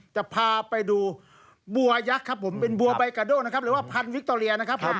จะพาไปดูบัวยักษ์ครับผมเป็นบัวใบกาโดนะครับหรือว่าพันธวิคโตเรียนะครับผม